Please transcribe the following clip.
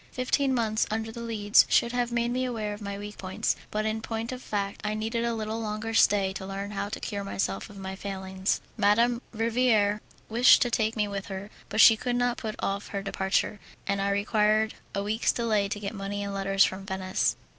Fifteen months under the Leads should have made me aware of my weak points, but in point of fact I needed a little longer stay to learn how to cure myself of my failings. Madame Riviere wished to take me with her, but she could not put off her departure, and I required a week's delay to get money and letters from Venice.